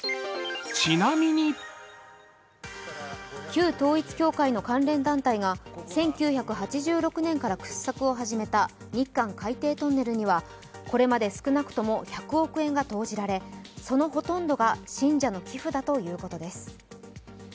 旧統一教会の関連団体が１９８６年から掘削を始めた日韓海底トンネルにはこれまで少なくとも１００億円が投じられ、そのほとんどが信者の寄付だということです。